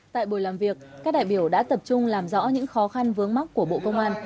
tại buổi làm việc các đại biểu đã tập trung làm rõ những khó khăn vướng mắt của bộ công an